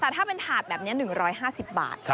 แต่ถ้าเป็นถาดแบบนี้๑๕๐บาท